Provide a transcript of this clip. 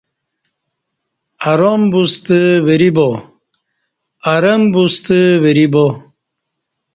ارم بوستہ وری با